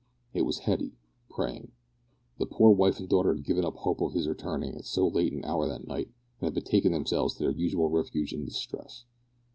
It was Hetty, praying. The poor wife and daughter had given up hope of his returning at so late an hour that night, and had betaken themselves to their usual refuge in distress.